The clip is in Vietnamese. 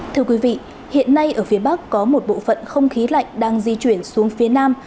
thưa quý vị hiện nay ở phía bắc có một bộ phận không khí lạnh đang di chuyển xuống phía nam